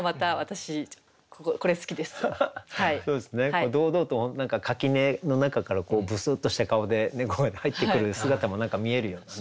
これ堂々と垣根の中からぶすっとした顔で猫が入ってくる姿も何か見えるようなね。